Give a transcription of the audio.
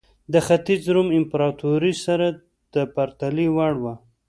د ختیځ روم امپراتورۍ سره د پرتلې وړ وه.